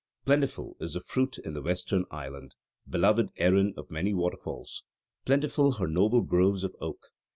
"Plentiful is the fruit in the Western Island beloved Erin of many waterfalls: plentiful her noble groves of oak.